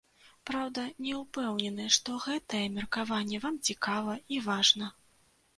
Праўда, не ўпэўнены, што гэтае меркаванне вам цікава і важна.